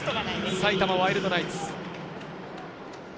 埼玉ワイルドナイツ。